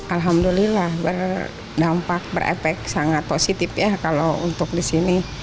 alhamdulillah berdampak berepek sangat positif ya kalau untuk di sini